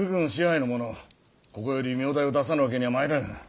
ここより名代を出さぬわけにはまいらぬ。